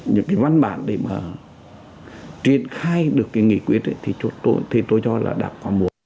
những cái văn bản để mà triển khai được cái nghị quyết thì tôi cho là đạt qua mùa